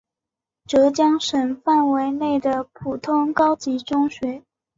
浙江省范围内的普通高级中学。